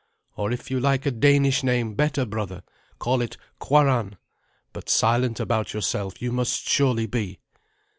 "Or if you like a Danish name better, brother, call it 'Kwaran,' but silent about yourself you must surely be."